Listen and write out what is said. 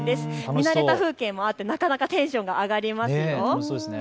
見慣れた風景もあって、なかなかテンションが上がりますよ。